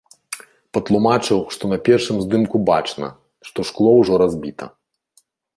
Патлумачыў, што на першым здымку бачна, што шкло ўжо разбіта.